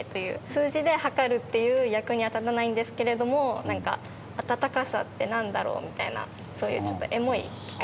数字で計るっていう役には立たないんですけれどもあたたかさってなんだろう？みたいなそういうちょっとエモい機械になってます。